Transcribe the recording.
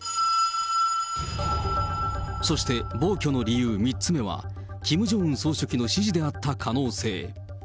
そして、暴挙の理由３つ目は、キム・ジョンウン総書記の指示であった可能性。